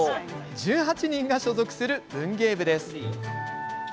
１８人が所属する文芸部です。